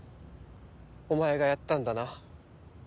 お前がやったんだな？